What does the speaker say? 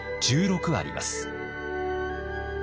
１６あります。